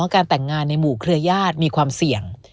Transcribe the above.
การแต่งงานในหมู่เครือญาติมีความเสี่ยง